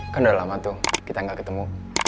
kan udah lama tuh kita gak ketemu